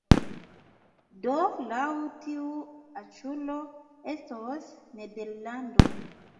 Do laŭ tiu aĉulo estos Nederlando